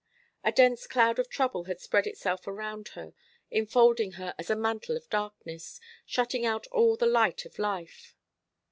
A dense cloud of trouble had spread itself around her, enfolding her as a mantle of darkness, shutting out all the light of life.